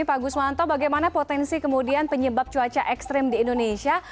pak guswanto bagaimana potensi kemudian penyebab cuaca ekstrim di indonesia